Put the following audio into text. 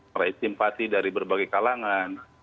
meraih simpati dari berbagai kalangan